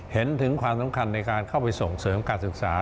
เห็นถึงความสำคัญในการเข้าไปส่งเสริมการศึกษา